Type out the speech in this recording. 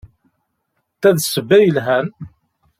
Ta d ssebba yelhan.